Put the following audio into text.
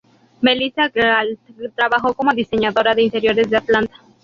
Melissa Galt trabajó como diseñadora de interiores en Atlanta.